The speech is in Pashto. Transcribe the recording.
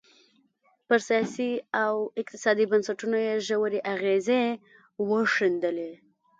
پر سیاسي او اقتصادي بنسټونو یې ژورې اغېزې وښندلې.